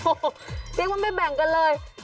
เสียงว่าพี่แบ่งเลย